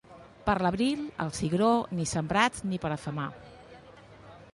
Per l'abril, el cigró, ni sembrat ni per afemar.